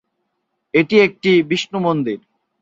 এটি একটি বিষ্ণু মন্দির।